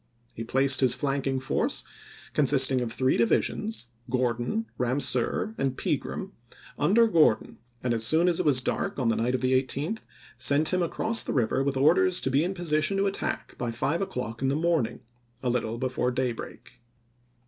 He placed this flanking force, consisting of three divisions, Gor don, Ramseur, and Pegram, under Gordon, and as Oct., 1864. soon as it was dark on the night of the 18th sent him across the river with orders to be in position to attack by five o'clock in the morning — a little before daybreak.